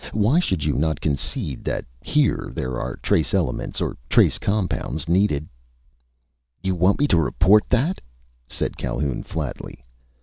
Why should you not concede that here there are trace elements or trace compounds needed " "You want me to report that," said Calhoun, flatly.